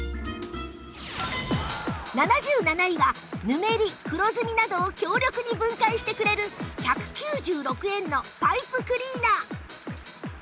７７位はヌメリ黒ずみなどを強力に分解してくれる１９６円のパイプクリーナー